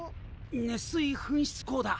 熱水噴出孔だ。